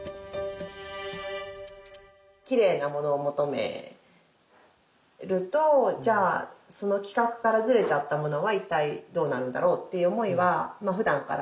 きれいなものを求めるとじゃあその規格からずれちゃったものは一体どうなるんだろうっていう思いはまあふだんからあって。